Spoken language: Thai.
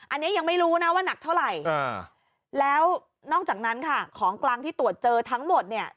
อันนี้ยังไม่รู้นะว่านักเท่าไหร่แล้วนอกจากนั้นค่ะของกลางที่ตรวจเจอทั้งหมดเนี่ย